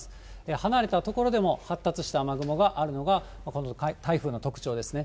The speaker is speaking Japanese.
離れた所でも発達した雨雲があるのが、この台風の特徴ですね。